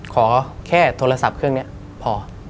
ขอแค่โทรศัพท์เครื่องนี้พอ